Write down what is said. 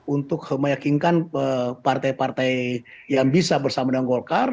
untuk meyakinkan partai partai yang bisa bersama dengan golkar